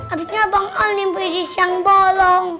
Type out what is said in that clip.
abisnya bang al nih berisik yang bolong